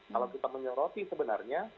kalau kita menyoroti sebenarnya